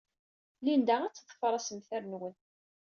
Linda ad teḍfer assemter-nwen.